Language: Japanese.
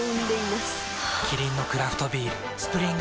キリンのクラフトビール「スプリングバレー」